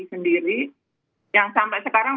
sendiri yang sampai sekarang